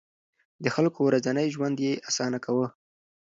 د خلکو ورځنی ژوند يې اسانه کاوه.